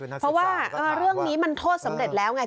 เพราะว่าเรื่องนี้มันโทษสำเร็จแล้วไง